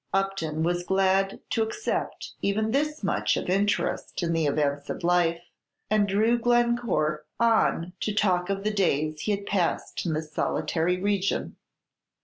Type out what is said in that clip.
Upton was glad to accept even this much of interest in the events of life, and drew Glencore on to talk of the days he had passed in this solitary region.